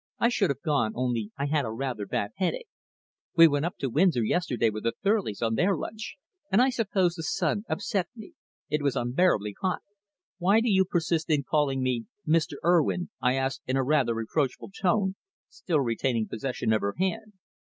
I should have gone, only I had a rather bad headache. We went up to Windsor yesterday with the Thurleys on their launch, and I suppose the sun upset me. It was unbearably hot." "Why do you persist in calling me Mr. Urwin?" I asked in a rather reproachful tone, still retaining possession of her hand.